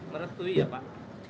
merektui ya pak